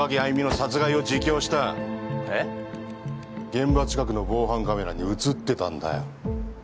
現場近くの防犯カメラに写ってたんだよ。